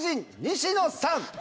西野さん！」。